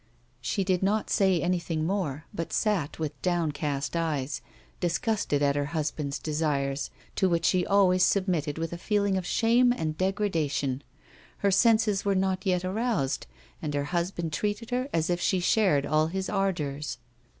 She did not say anything more, but sat with downcast eyes, disgusted at her husband's desires, to which she always submitted with a feeling of shame and degradation ; her senses were not yet aroused, and her husband treated her as if she shared all his ardours.